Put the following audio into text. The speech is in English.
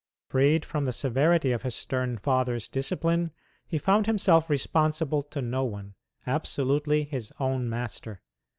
Freed from the severity of his stern father's discipline, he found himself responsible to no one absolutely his own master.